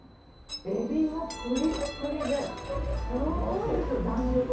エビがぷりっぷりで、すごいですよ、弾力が。